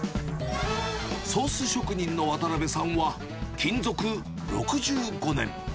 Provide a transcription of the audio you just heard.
ソース職人の渡辺さんは、勤続６５年。